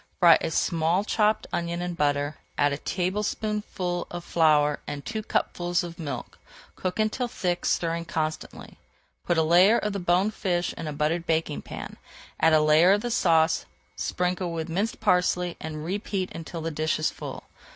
Fry a small chopped onion in butter, add a tablespoonful of flour and two cupfuls of milk. Cook until thick, stirring constantly. Put a layer of the boned fish in a buttered baking pan, add a layer of the sauce, sprinkle with minced parsley, and repeat until the dish is full.